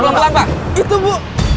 lepas itu pak